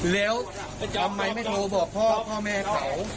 แล้วทำไมไม่โทรบอกพ่อพ่อแม่เขา